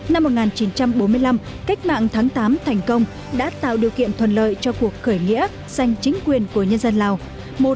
năm một nghìn chín trăm bốn mươi năm cách mạng tháng tám thành công đã tạo điều kiện thuận lợi cho lãnh đạo việt lào